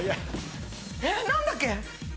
えっ何だっけ？